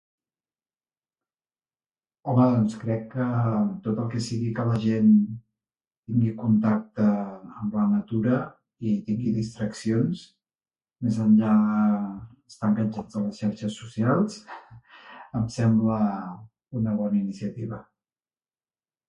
Home, doncs crec que... tot el que sigui que la gent tingui contacte amb la natura, i tingui distraccions, més enllà d'estar enganxats a les xarxes socials em sembla una bona iniciativa.